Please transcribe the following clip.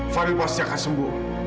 fadil pasti akan sembuh